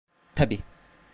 Tabi.